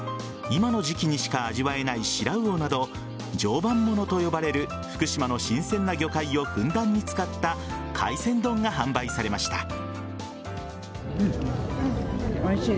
今の時期にしか味わえないシラウオなど常磐ものと呼ばれる福島の新鮮な魚介をふんだんに使った海鮮丼が販売されました。